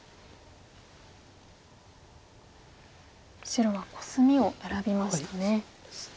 白はコスミを選びましたね。